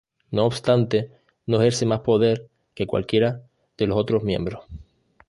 No obstante, no ejerce más poder que cualquiera de los otros miembros.